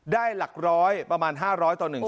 ได้หลักร้อยประมาณ๕๐๐ต่อ๑ชั่วโมง